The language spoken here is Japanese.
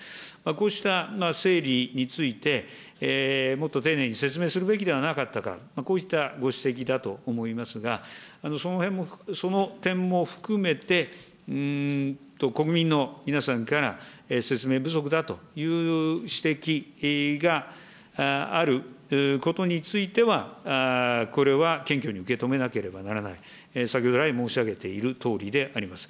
こうした整理についてもっと丁寧に説明するべきではなかったか、こういったご指摘だと思いますが、その点も含めて、国民の皆さんから、説明不足だという指摘があることについては、これは謙虚に受け止めなければならない、先ほど来、申し上げているとおりであります。